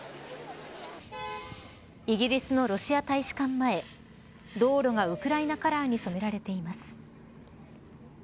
イギリスのロシア大使館前道路がウクライナカラーに染められています。